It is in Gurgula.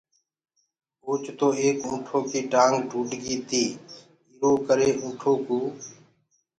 اوچتو ايڪ اُنٚٺو ڪيٚ ٽآنٚگ ٽوٽ گي تيٚ ايرو ڪري ُِانٚٺ ڪو